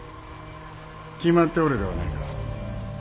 決まっておるではないか。